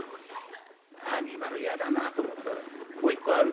アニマル嫌だなと思ったら「もう一個ある」